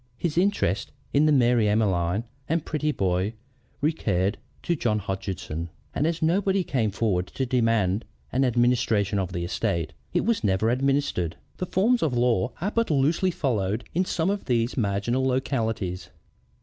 His interest in the Mary Emmeline and the Prettyboat recurred to John Hodgeson; and as nobody came forward to demand an administration of the estate, it was never administered. The forms of law are but loosely followed in some of these marginal localities."